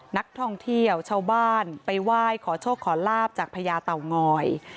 นักท่องเที่ยวชาวบ้านไปไหว้ขอโชคขอลาบจากพญาเต่างอย